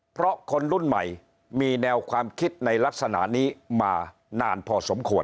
เพราะคนรุ่นใหม่มีแนวความคิดในลักษณะนี้มานานพอสมควร